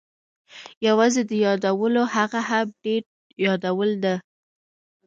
یوازې د یادولو، هغه هم ډېر یادول نه.